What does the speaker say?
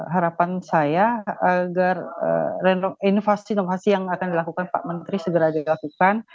harapan saya agar renovasi inovasi yang akan dilakukan pak menteri segera dilakukan